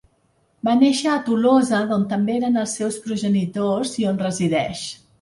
Va néixer a Tolosa d'on també eren els seus progenitors i on resideix.